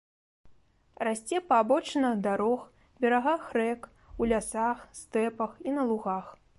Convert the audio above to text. Расце па абочынах дарог, берагах рэк, у лясах, стэпах і на лугах.